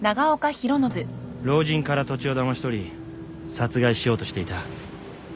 老人から土地をだまし取り殺害しようとしていた。